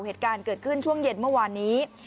เหตุการณ์เกิดขึ้นช่วงเย็นเมื่อวานนี้